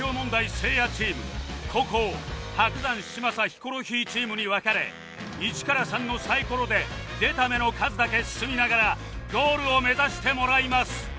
せいやチーム後攻伯山嶋佐ヒコロヒーチームに分かれ「１」から「３」のサイコロで出た目の数だけ進みながらゴールを目指してもらいます